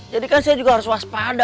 jadi kan saya juga harus waspada